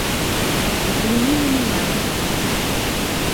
Взгляни на меня.